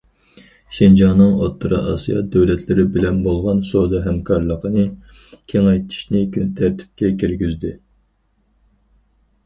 شىنجاڭنىڭ ئوتتۇرا ئاسىيا دۆلەتلىرى بىلەن بولغان سودا ھەمكارلىقىنى كېڭەيتىشنى كۈنتەرتىپكە كىرگۈزدى.